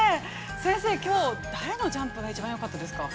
先生きょう、誰のジャンプが一番よかったですか。